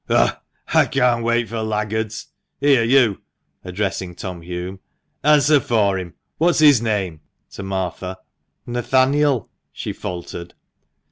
"Ugh! I can't wait for laggards. Here, you [addressing Tom Hulme], answer for him. What's his name?" [to Martha.] "Nathaniel," she faltered.